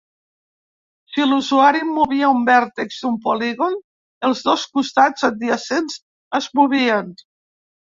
Si l'usuari movia un vèrtex d'un polígon, els dos costats adjacents es movien.